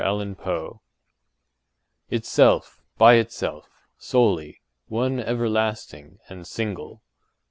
” MORELLA Itself, by itself, solely, one everlasting, and single.